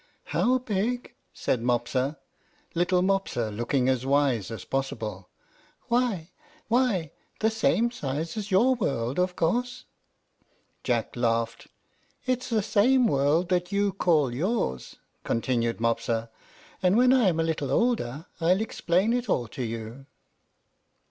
"How big?" said Mopsa, little Mopsa looking as wise as possible. "Why, the same size as your world, of course." Jack laughed. "It's the same world that you call yours," continued Mopsa; "and when I'm a little older, I'll explain it all to you."